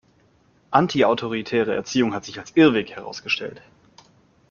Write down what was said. Antiautoritäre Erziehung hat sich als Irrweg herausgestellt.